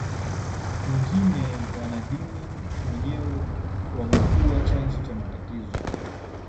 mwingine wanadini wenyewe wamekuwa chanzo cha matatizo